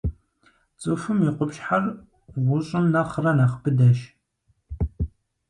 Цӏыхум и къупщхьэр гъущӀым нэхърэ нэхъ быдэщ.